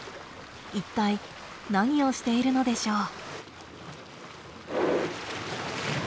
いったい何をしているのでしょう？